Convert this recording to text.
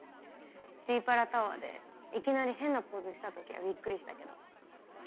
シーパラタワーでいきなり変なポーズした時はびっくりしたけど。